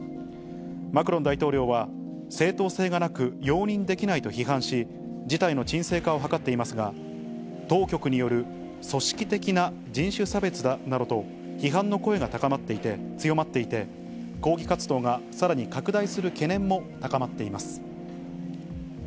マクロン大統領は、正当性がなく、容認できないと批判し、事態の沈静化を図っていますが、当局による組織的な人種差別だなどと、批判の声が強まっていて、抗議活動がさらに拡大する懸念も高まっています。